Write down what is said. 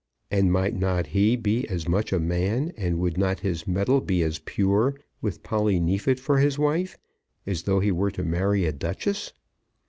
And might not he be as much a man, and would not his metal be as pure, with Polly Neefit for his wife as though he were to marry a duchess?